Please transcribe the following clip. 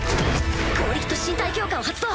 剛力と身体強化を発動！